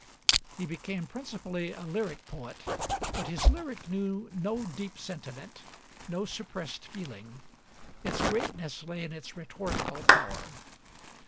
He became principally a lyric poet, but his lyric knew no deep sentiment, no suppressed feeling; its greatness lay in its rhetorical power.